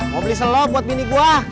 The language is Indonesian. mau beli selop buat bini gue